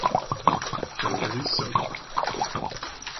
Totally soaked.